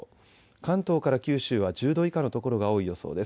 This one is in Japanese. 関東から九州は１０度以下の所が多い予想です。